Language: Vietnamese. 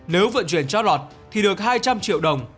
nếu vận chuyển chó lọt thì được hai trăm linh triệu đồng